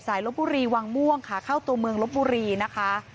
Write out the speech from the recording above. ลบบุรีวังม่วงค่ะเข้าตัวเมืองลบบุรีนะคะ